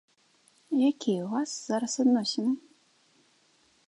Якія ў вас зараз адносіны?